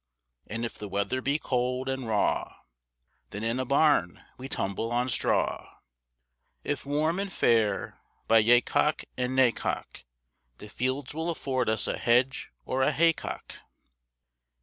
And if the weather be cold and raw, Then in a barn we tumble on straw. If warm and fair, by yea cock and nay cock, The fields will afford us a hedge or a hay cock.